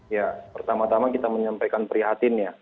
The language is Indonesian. ya pertama tama kita menyampaikan prihatin ya